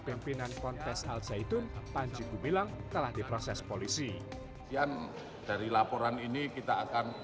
pimpinan kontes al zaitun panji gumilang telah diproses polisi yang dari laporan ini kita akan